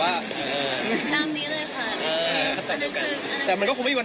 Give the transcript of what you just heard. อ้าหลียันแอดอยู่เจอดีกัน